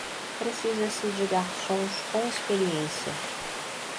Precisa-se de garçons com experiência.